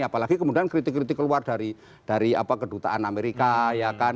apalagi kemudian kritik kritik keluar dari kedutaan amerika ya kan